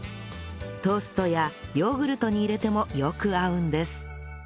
トーストやヨーグルトに入れてもよく合うんです